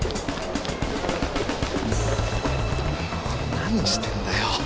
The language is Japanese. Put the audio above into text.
何してんだよ。